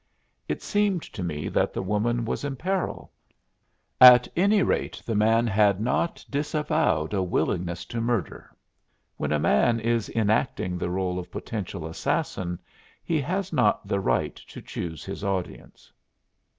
It seemed to me that the woman was in peril; at any rate the man had not disavowed a willingness to murder. When a man is enacting the rôle of potential assassin he has not the right to choose his audience.